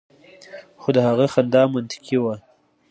خو د هغه خندا منطقي وه